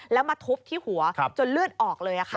แล้วมาทุบที่หัวจนเลือดออกเลยค่ะ